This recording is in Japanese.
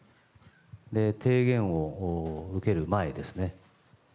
提言を受ける前ですね。